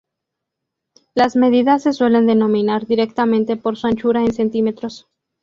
Las medidas se suelen denominar directamente por su anchura en cm.